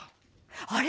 あれ？